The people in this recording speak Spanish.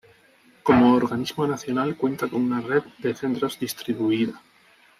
Como organismo nacional, cuenta con una red de centros distribuida.